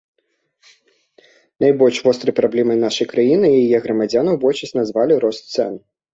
Найбольш вострай праблемай нашай краіны і яе грамадзянаў большасць назвалі рост цэн.